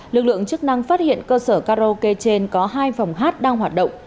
lực lượng chức năng phát hiện cơ sở karaoke trên có hai phòng hát đang hoạt động